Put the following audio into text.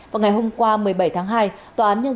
vào ngày hôm qua một mươi bảy tháng hai